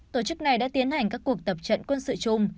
tổ chức này đã tiến hành các cuộc tập trận quân sự chung